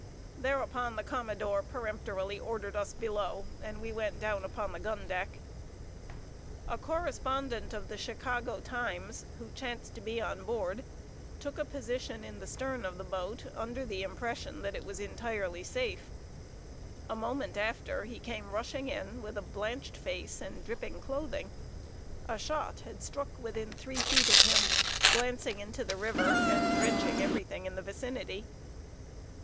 Thereupon the commodore peremptorily ordered us below, and we went down upon the gun deck. A correspondent of The Chicago Times, who chanced to be on board, took a position in the stern of the boat, under the impression that it was entirely safe. A moment after he came rushing in with blanched face and dripping clothing. A shot had struck within three feet of him, glancing into the river, and drenching every thing in the vicinity.